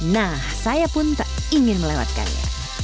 nah saya pun tak ingin melewatkannya